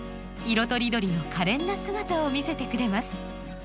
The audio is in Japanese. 色とりどりのかれんな姿を見せてくれます。